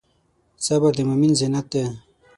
صبر د مؤمن زینت دی.